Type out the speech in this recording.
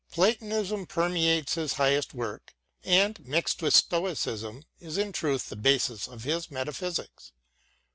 Platonism permeates his highest work, and, mixed with Stoicism, is in truth the basis of his metaphysics.